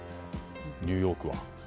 ニューヨークは。